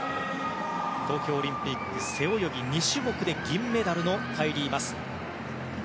東京オリンピック背泳ぎ２種目で銀メダルのカイリー・マス。